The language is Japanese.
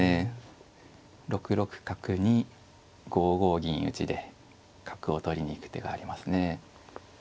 ６六角に５五銀打で角を取りに行く手がありますね。